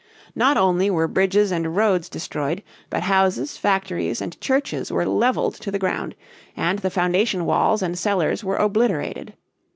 Not only were bridges and roads destroyed, but houses, factories, and churches were leveled to the ground, and the foundation walls and cellars were obliterated.